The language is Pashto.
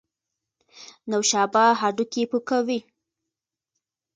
نوشابه هډوکي پوکوي